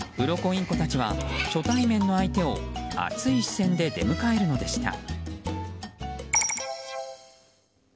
インコたちは初対面の相手を熱い視線で出迎えるのでした。